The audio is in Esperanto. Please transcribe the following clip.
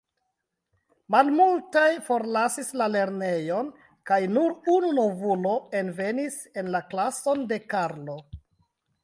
Malmultaj forlasis la lernejon kaj nur unu novulo envenis en la klason de Karlo.